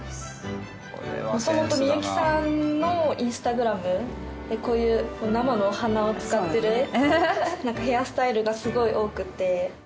元々ＭＩＹＵＫＩさんのインスタグラムでこういう生のお花を使ってるヘアスタイルがすごい多くて。